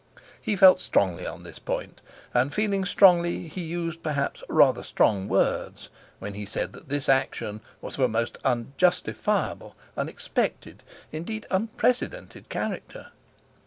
He felt strongly on this point, and feeling strongly he used, perhaps, rather strong words when he said that this action was of a most unjustifiable, unexpected, indeed—unprecedented character.